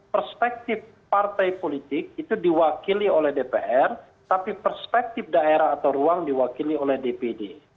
perspektif partai politik itu diwakili oleh dpr tapi perspektif daerah atau ruang diwakili oleh dpd